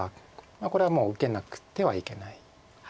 これはもう受けなくてはいけない。